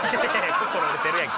心折れてるやんけ。